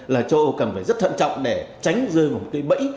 là châu âu cần phải rất thận trọng để tránh rơi vào một cái bẫy